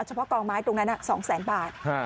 เฉพาะกองไม้ตรงนั้น๒แสนบาท